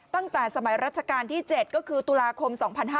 ตั้งแต่สมัยรัชกาลที่๗ก็คือตุลาคม๒๕๕๙